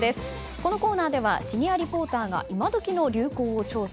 このコーナーではシニアリポーターが今どきの流行を調査。